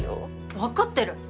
分かってる。